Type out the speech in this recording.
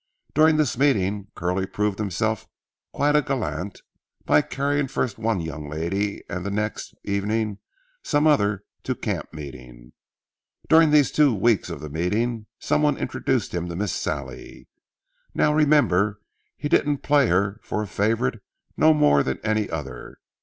During this meeting Curly proved himself quite a gallant by carrying first one young lady and the next evening some other to camp meeting. During these two weeks of the meeting, some one introduced him to Miss Sallie. Now, remember, he didn't play her for a favorite no more than any other.